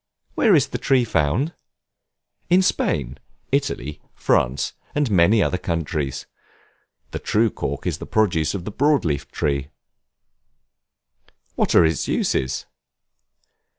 Where is the Tree found? In Spain, Italy, France, and many other countries. The true cork is the produce of the broad leaved tree. What are its uses?